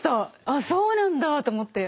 あっそうなんだと思って。